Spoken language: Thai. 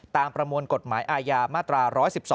ประมวลกฎหมายอาญามาตรา๑๑๒